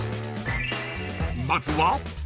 ［まずは？］